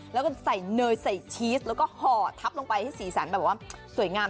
แล้วก็ใส่เนยใส่ชีสแล้วก็ห่อทับลงไปให้สีสันแบบว่าสวยงาม